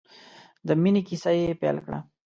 د مینې کیسه یې پیل کړه.